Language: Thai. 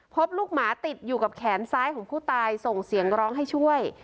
พบลูกหมาติดอยู่กับแขนซ้ายของผู้ตายส่งเสียงร้องให้ช่วย